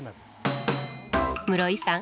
室井さん